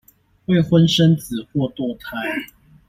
未婚生子或墮胎